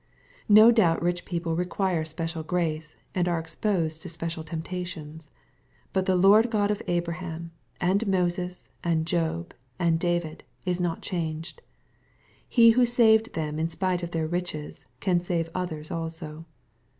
No doubt rich people require special grace, and are exposed to special temptations. But the Lord God of Abraham, and Moses, and Job, and David is not changed. He who saved them in spite of theii riches, can save others also.